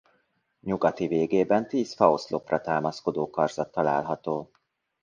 Nyugati végében tíz faoszlopra támaszkodó karzat található.